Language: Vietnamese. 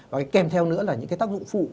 và kèm theo nữa là những cái tác dụng phụ